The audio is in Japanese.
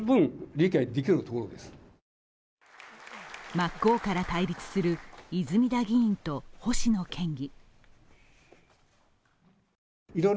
真っ向から対立する泉田議員と星野県議。